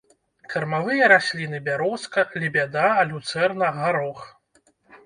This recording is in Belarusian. Кармавыя расліны бярозка, лебяда, люцэрна, гарох.